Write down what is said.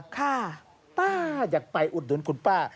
ป้าอยากไปอุดหนุนคุณป้า